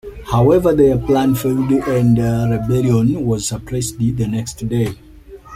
However, their plan failed and the rebellion was suppressed the next day.